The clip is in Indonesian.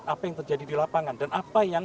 apa yang terjadi di lapangan dan apa yang